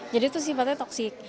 jadi itu sifatnya toksik